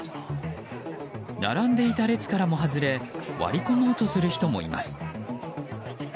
並んでいた列からも外れ割り込もうとする人もいます。